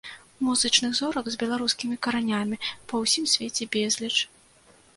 Музычных зорак з беларускімі каранямі па ўсім свеце безліч.